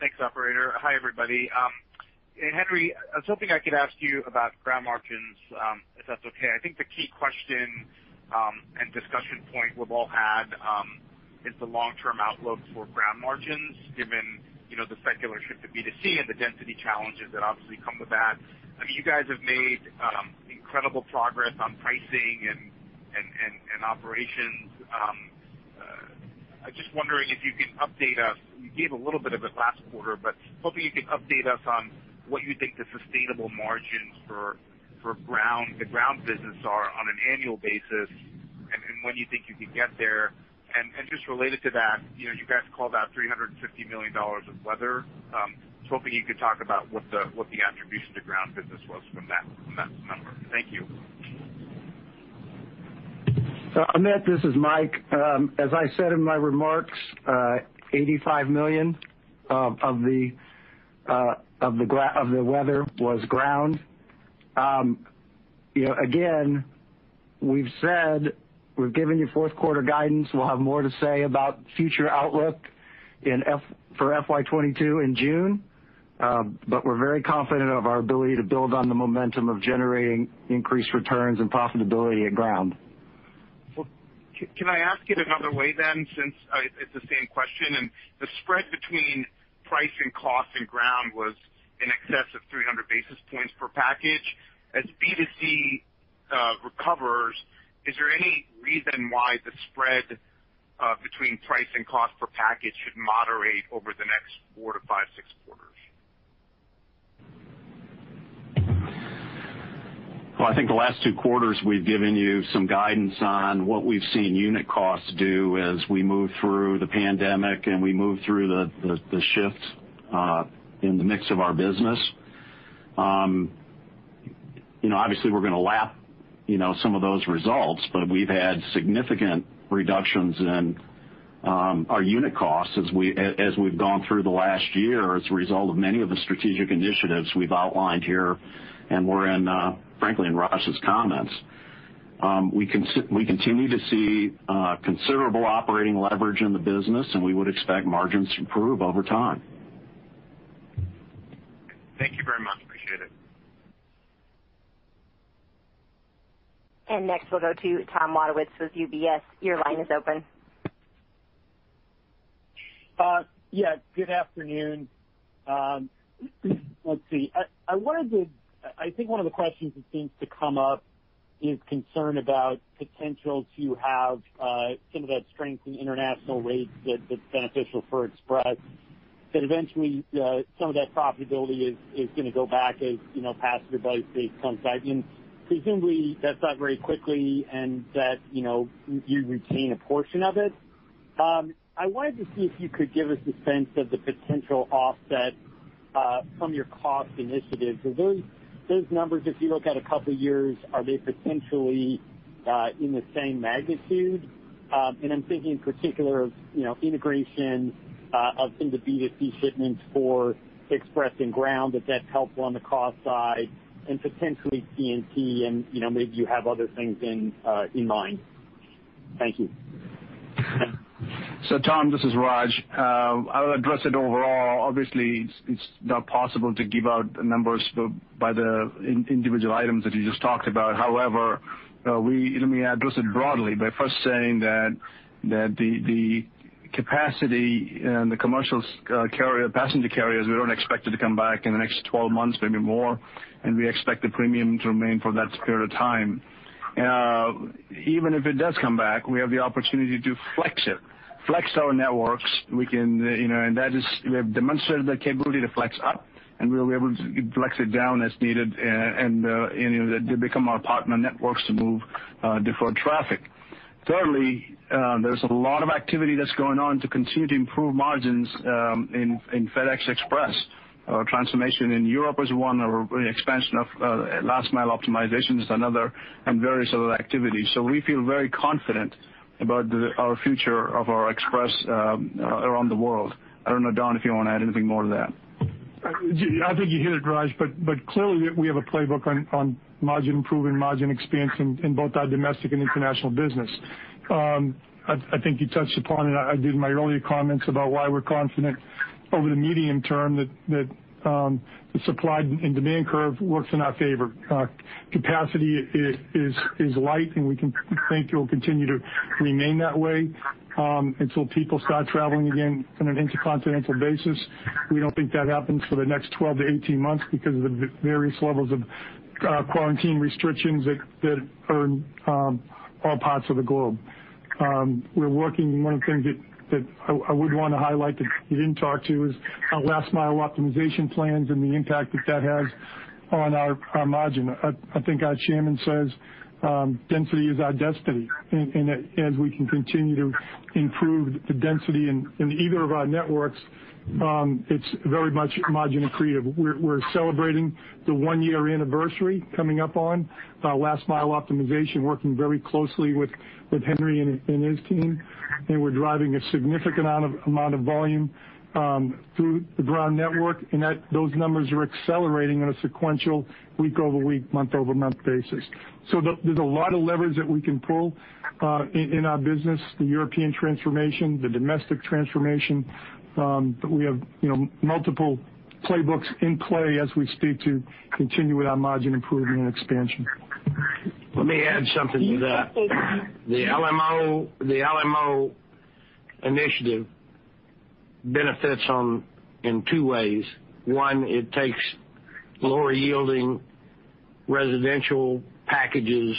Speaker 15: Thanks, operator. Hi, everybody. Henry, I was hoping I could ask you about Ground margins, if that's okay. I think the key question and discussion point we've all had is the long-term outlook for Ground margins, given the secular shift to B2C and the density challenges that obviously come with that. You guys have made incredible progress on pricing and operations. I'm just wondering if you can update us. You gave a little bit of it last quarter, but hoping you can update us on what you think the sustainable margins for the Ground business are on an annual basis, and when you think you could get there. Just related to that, you guys called out $350 million of weather. I was hoping you could talk about what the attribution to Ground business was from that number. Thank you.
Speaker 6: Amit, this is Mike. As I said in my remarks, $85 million of the weather was Ground. Again, we've said we've given you fourth quarter guidance. We'll have more to say about future outlook for FY 2022 in June. We're very confident of our ability to build on the momentum of generating increased returns and profitability at Ground.
Speaker 15: Can I ask it another way then, since it's the same question? The spread between price and cost in Ground was in excess of 300 basis points per package. As B2C recovers, is there any reason why the spread between price and cost per package should moderate over the next four to five, six quarters?
Speaker 8: Well, I think the last two quarters we've given you some guidance on what we've seen unit costs do as we move through the pandemic and we move through the shifts in the mix of our business. Obviously, we're going to lap some of those results, but we've had significant reductions in our unit costs as we've gone through the last year as a result of many of the strategic initiatives we've outlined here and were in, frankly, in Raj's comments. We continue to see considerable operating leverage in the business, and we would expect margins to improve over time.
Speaker 15: Thank you very much. Appreciate it.
Speaker 1: Next, we'll go to Tom Wadewitz with UBS. Your line is open.
Speaker 16: Yeah. Good afternoon. Let's see. I think one of the questions that seems to come up is concern about potential to have some of that strength in international rates that's beneficial for Express, that eventually some of that profitability is going to go back as passenger base comes back. Presumably, that's not very quickly and that you retain a portion of it. I wanted to see if you could give us a sense of the potential offset from your cost initiatives. Those numbers, if you look at a couple of years, are they potentially in the same magnitude? I'm thinking in particular of integration of some of the B2C shipments for Express and Ground, that's helpful on the cost side and potentially TNT, and maybe you have other things in mind. Thank you.
Speaker 4: Tom, this is Raj. I'll address it overall. Obviously, it's not possible to give out the numbers by the individual items that you just talked about. However, let me address it broadly by first saying that the capacity and the commercial carrier, passenger carriers, we don't expect it to come back in the next 12 months, maybe more, and we expect the premium to remain for that period of time. Even if it does come back, we have the opportunity to flex it, flex our networks. We have demonstrated the capability to flex up, and we'll be able to flex it down as needed and they become our partner networks to move deferred traffic. Thirdly, there's a lot of activity that's going on to continue to improve margins in FedEx Express. Our transformation in Europe is one, our expansion of Last Mile Optimization is another, and various other activities. We feel very confident about our future of our FedEx Express around the world. I don't know, Don, if you want to add anything more to that.
Speaker 10: I think you hit it, Raj. Clearly, we have a playbook on margin improvement and margin expansion in both our domestic and international business. I think you touched upon it. I did in my earlier comments about why we're confident over the medium term that the supply and demand curve works in our favor. Capacity is light, and we think it will continue to remain that way until people start traveling again on an intercontinental basis. We don't think that happens for the next 12 to 18 months because of the various levels of quarantine restrictions that are in all parts of the globe. One of the things that I would want to highlight that you didn't talk to is our Last Mile Optimization plans and the impact that has on our margin. I think our chairman says density is our destiny. As we can continue to improve the density in either of our networks, it's very much margin accretive. We're celebrating the one-year anniversary coming up on our Last Mile Optimization, working very closely with Henry and his team. We're driving a significant amount of volume through the Ground network. Those numbers are accelerating on a sequential week-over-week, month-over-month basis. There's a lot of leverage that we can pull in our business, the European transformation, the domestic transformation. We have multiple playbooks in play as we speak to continue with our margin improvement and expansion.
Speaker 1: Thank you.
Speaker 3: Let me add something to that. The LMO initiative benefits in two ways. One, it takes lower-yielding residential packages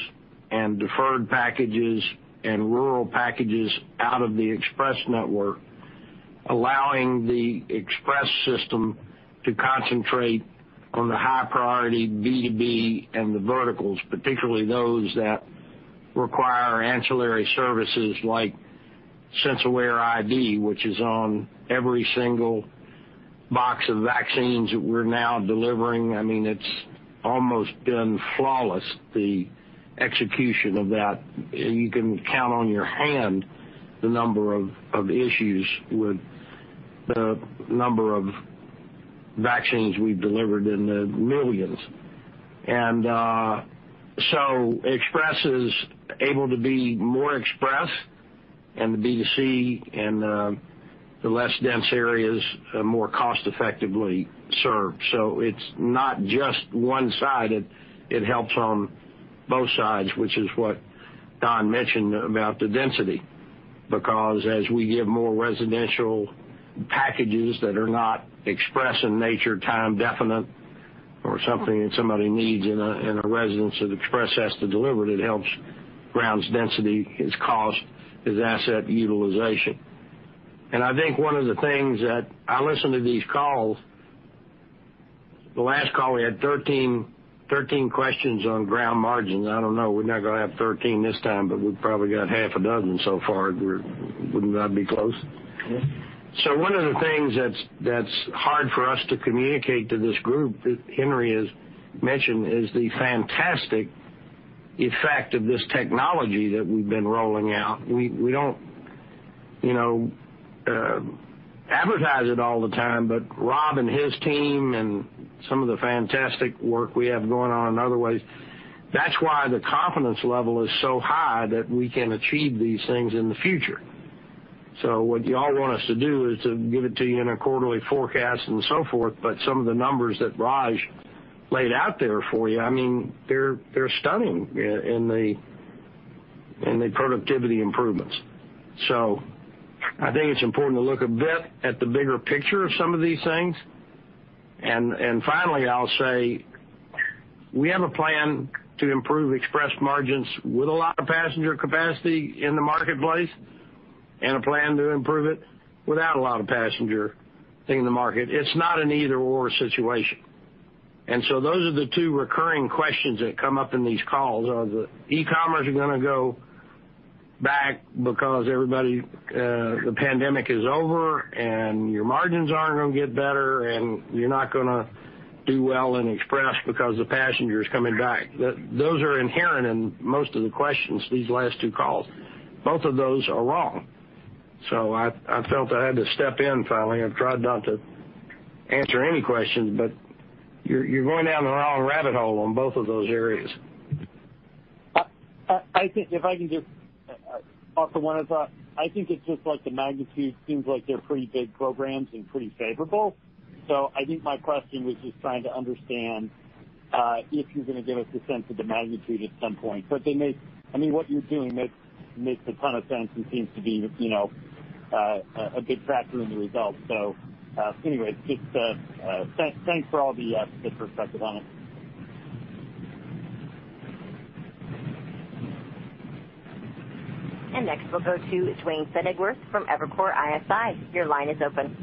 Speaker 3: and deferred packages and rural packages out of the Express network, allowing the Express system to concentrate on the high-priority B2B and the verticals, particularly those that require ancillary services like SenseAware ID, which is on every single box of vaccines that we're now delivering. It's almost been flawless, the execution of that. You can count on your hand the number of issues with the number of vaccines we've delivered in the millions. Express is able to be more Express and the B2C and the less dense areas are more cost effectively served. It's not just one-sided. It helps on both sides, which is what Don mentioned about the density. As we get more residential packages that are not Express in nature, time definite or something that somebody needs in a residence that Express has to deliver, it helps Ground's density, its cost, its asset utilization. I think one of the things that, I listen to these calls. The last call, we had 13 questions on Ground margins. I don't know, we're not going to have 13 this time, but we've probably got half a dozen so far. Wouldn't that be close?
Speaker 16: Yeah.
Speaker 3: One of the things that's hard for us to communicate to this group that Henry has mentioned is the fantastic effect of this technology that we've been rolling out. We don't advertise it all the time, Rob and his team and some of the fantastic work we have going on in other ways, that's why the confidence level is so high that we can achieve these things in the future. What you all want us to do is to give it to you in a quarterly forecast and so forth, but some of the numbers that Raj laid out there for you, they're stunning in the productivity improvements. I think it's important to look a bit at the bigger picture of some of these things. Finally, I'll say we have a plan to improve Express margins with a lot of passenger capacity in the marketplace and a plan to improve it without a lot of passenger in the market. It's not an either/or situation. Those are the two recurring questions that come up in these calls. Are the e-commerce going to go back because the pandemic is over and your margins aren't going to get better and you're not going to do well in Express because the passenger is coming back. Those are inherent in most of the questions these last two calls. Both of those are wrong. I felt I had to step in finally. I've tried not to answer any questions, but you're going down the wrong rabbit hole on both of those areas.
Speaker 16: I think if I can just offer one thought. I think it's just like the magnitude seems like they're pretty big programs and pretty favorable. I think my question was just trying to understand if you're going to give us a sense of the magnitude at some point. What you're doing makes a ton of sense and seems to be a big factor in the results. Anyways, just thanks for all the perspective on it.
Speaker 1: Next we'll go to Duane Pfennigwerth from Evercore ISI. Your line is open.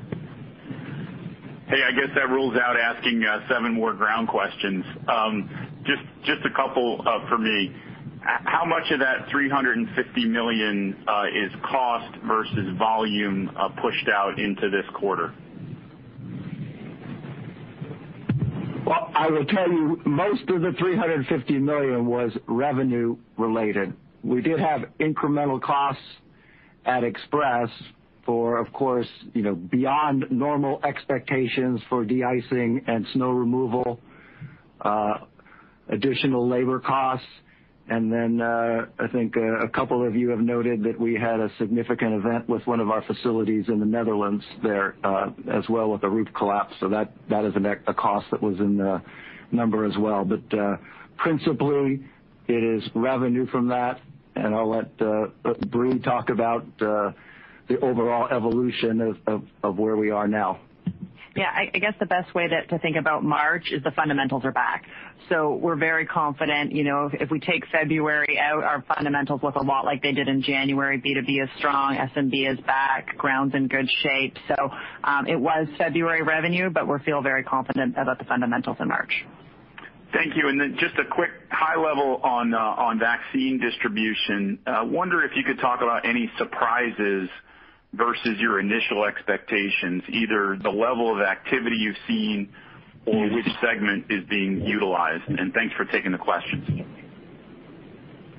Speaker 17: Hey, I guess that rules out asking seven more Ground questions. Just a couple for me. How much of that $350 million is cost versus volume pushed out into this quarter?
Speaker 6: Well, I will tell you, most of the $350 million was revenue related. We did have incremental costs at Express for, of course, beyond normal expectations for de-icing and snow removal, additional labor costs. I think a couple of you have noted that we had a significant event with one of our facilities in the Netherlands there, as well with a roof collapse. That is a cost that was in the number as well. Principally, it is revenue from that, and I'll let Brie talk about the overall evolution of where we are now.
Speaker 5: Yeah. I guess the best way to think about March is the fundamentals are back. We're very confident. If we take February out, our fundamentals look a lot like they did in January, B2B is strong, SMB is back, Ground's in good shape. It was February revenue, but we feel very confident about the fundamentals in March.
Speaker 17: Thank you. Just a quick high level on vaccine distribution. I wonder if you could talk about any surprises versus your initial expectations, either the level of activity you've seen or which segment is being utilized, and thanks for taking the questions?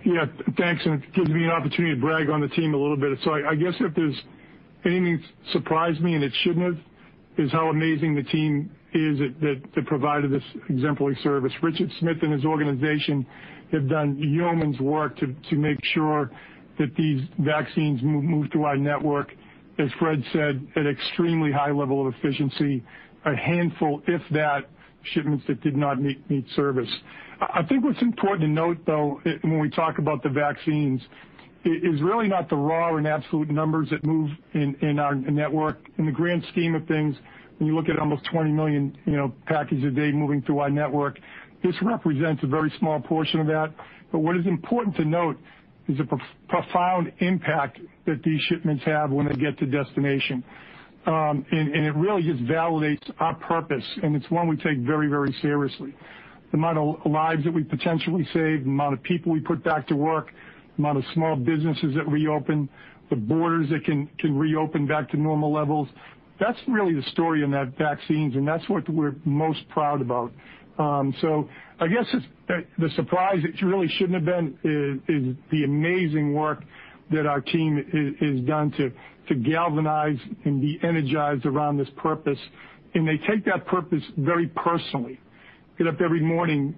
Speaker 10: Yeah. Thanks. It gives me an opportunity to brag on the team a little bit. I guess if there's anything that surprised me and it shouldn't have, is how amazing the team is that provided this exemplary service. Richard Smith and his organization have done yeoman's work to make sure that these vaccines move through our network, as Fred said, at extremely high level of efficiency. A handful, if that, shipments that did not meet service. I think what's important to note, though, when we talk about the vaccines, is really not the raw and absolute numbers that move in our network. In the grand scheme of things, when you look at almost 20 million packages a day moving through our network, this represents a very small portion of that. What is important to note is the profound impact that these shipments have when they get to destination. It really just validates our purpose, and it's one we take very seriously. The amount of lives that we potentially save, the amount of people we put back to work, the amount of small businesses that reopen, the borders that can reopen back to normal levels. That's really the story in that vaccines, that's what we're most proud about. I guess the surprise that really shouldn't have been is the amazing work that our team has done to galvanize and be energized around this purpose. They take that purpose very personally. They get up every morning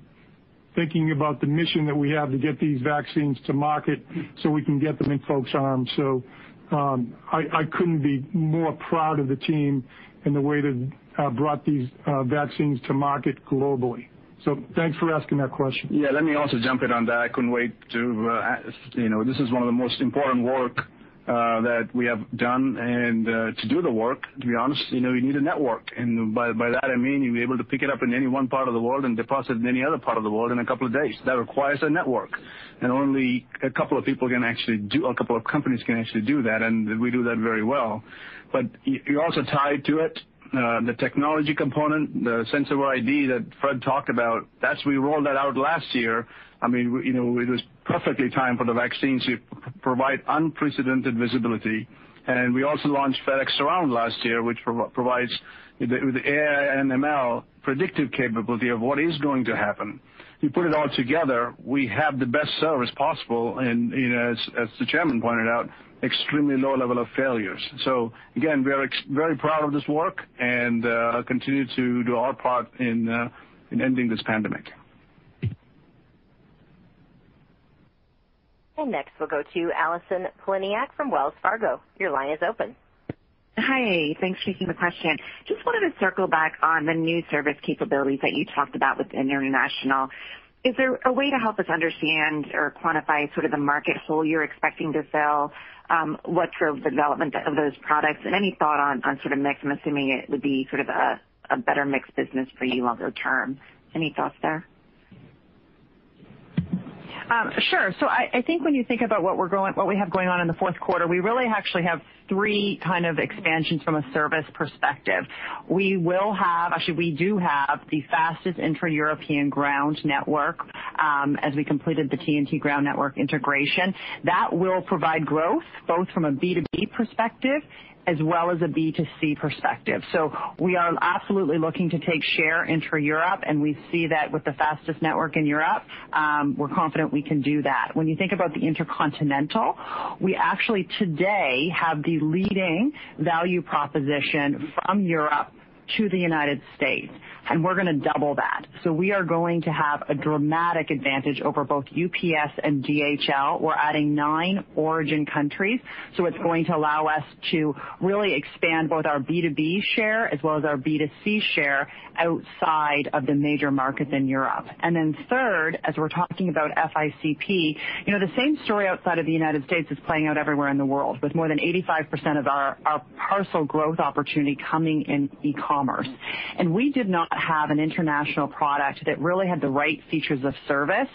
Speaker 10: thinking about the mission that we have to get these vaccines to market so we can get them in folks' arms. I couldn't be more proud of the team and the way they brought these vaccines to market globally. Thanks for asking that question.
Speaker 4: Yeah. Let me also jump in on that. I couldn't wait to. This is one of the most important work that we have done. To do the work, to be honest, you need a network. By that, I mean you're able to pick it up in any one part of the world and deposit in any other part of the world in a couple of days. That requires a network. Only a couple of companies can actually do that, and we do that very well. Also tied to it, the technology component, the SenseAware ID that Fred talked about, we rolled that out last year. It was perfectly timed for the vaccines to provide unprecedented visibility. We also launched FedEx Surround last year, which provides the AI and ML predictive capability of what is going to happen. You put it all together, we have the best service possible, and as the Chairman pointed out, extremely low level of failures. Again, we are very proud of this work and continue to do our part in ending this pandemic.
Speaker 1: Next, we'll go to Allison Poliniak from Wells Fargo. Your line is open.
Speaker 18: Hi. Thanks for taking the question. Just wanted to circle back on the new service capabilities that you talked about within international. Is there a way to help us understand or quantify sort of the market share you're expecting to sell? What drove development of those products, and any thought on sort of mix? I'm assuming it would be sort of a better mixed business for you longer term. Any thoughts there?
Speaker 5: Sure. I think when you think about what we have going on in the fourth quarter, we really actually have three kind of expansions from a service perspective. We do have the fastest intra-European ground network as we completed the TNT ground network integration. That will provide growth both from a B2B perspective as well as a B2C perspective. We are absolutely looking to take share intra-Europe, and we see that with the fastest network in Europe. We're confident we can do that. When you think about the intercontinental, we actually today have the leading value proposition from Europe to the U.S., and we're going to double that. We are going to have a dramatic advantage over both UPS and DHL. We're adding nine origin countries. It's going to allow us to really expand both our B2B share as well as our B2C share outside of the major markets in Europe. Third, as we're talking about FICP. The same story outside of the U.S. is playing out everywhere in the world, with more than 85% of our parcel growth opportunity coming in e-commerce. We did not have an international product that really had the right features of service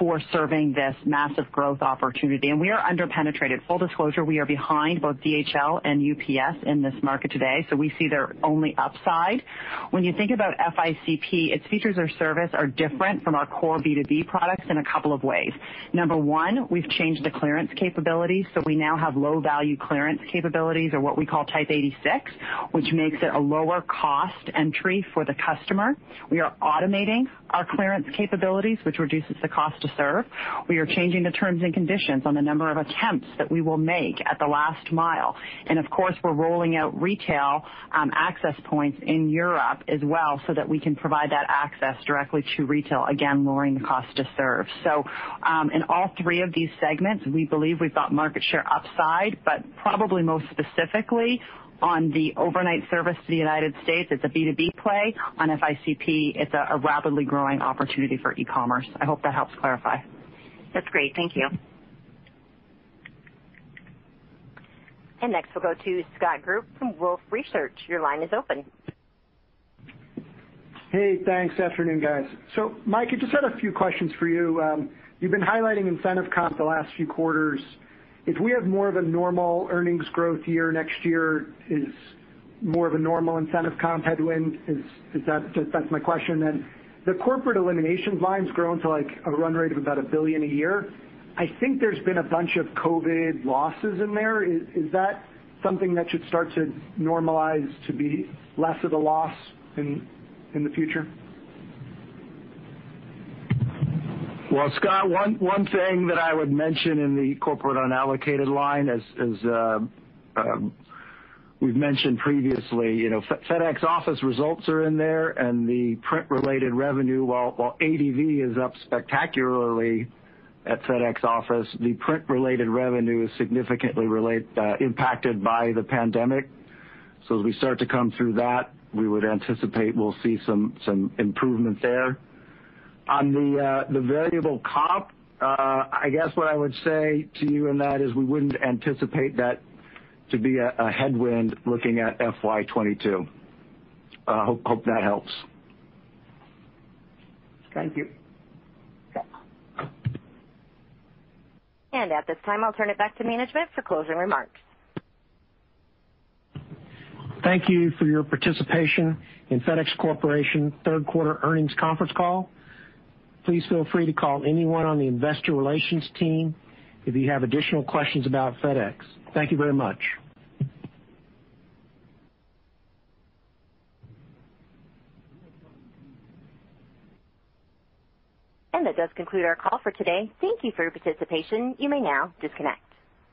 Speaker 5: for serving this massive growth opportunity. We are under-penetrated. Full disclosure, we are behind both DHL and UPS in this market today. We see there only upside. When you think about FICP, its features or service are different from our core B2B products in a couple of ways. Number one, we've changed the clearance capabilities. We now have low-value clearance capabilities or what we call Type 86, which makes it a lower cost entry for the customer. We are automating our clearance capabilities, which reduces the cost to serve. We are changing the terms and conditions on the number of attempts that we will make at the Last Mile. Of course, we're rolling out retail access points in Europe as well so that we can provide that access directly to retail, again, lowering the cost to serve. In all three of these segments, we believe we've got market share upside, but probably most specifically on the overnight service to the U.S. It's a B2B play. On FICP, it's a rapidly growing opportunity for e-commerce. I hope that helps clarify.
Speaker 18: That's great. Thank you.
Speaker 1: Next we'll go to Scott Group from Wolfe Research. Your line is open.
Speaker 19: Hey, thanks. Afternoon, guys. Mike, I just had a few questions for you. You've been highlighting incentive comp the last few quarters. If we have more of a normal earnings growth year next year, is more of a normal incentive comp headwind? That's my question. The corporate elimination line's grown to a run rate of about $1 billion a year. I think there's been a bunch of COVID losses in there. Is that something that should start to normalize to be less of a loss in the future?
Speaker 6: Well, Scott, one thing that I would mention in the corporate unallocated line as we've mentioned previously, FedEx Office results are in there, and the print-related revenue. While ADV is up spectacularly at FedEx Office, the print-related revenue is significantly impacted by the pandemic. As we start to come through that, we would anticipate we'll see some improvement there. On the variable comp, I guess what I would say to you in that is we wouldn't anticipate that to be a headwind looking at FY 2022. Hope that helps.
Speaker 19: Thank you.
Speaker 1: At this time, I'll turn it back to management for closing remarks.
Speaker 2: Thank you for your participation in FedEx Corporation third quarter earnings conference call. Please feel free to call anyone on the investor relations team if you have additional questions about FedEx. Thank you very much.
Speaker 1: That does conclude our call for today. Thank you for your participation. You may now disconnect.